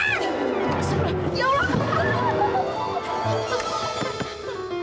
ya allah apaan ini